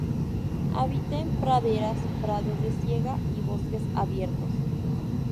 Habita en praderas, prados de siega y bosques abiertos.